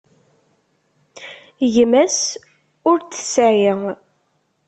Gma-s ur t-tesεi.